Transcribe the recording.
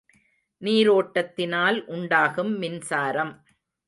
நீரோட்டத்தினால் உண்டாகும் மின்சாரம்.